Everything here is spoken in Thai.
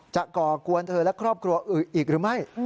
ก่อกวนเธอและครอบครัวอื่นอีกหรือไม่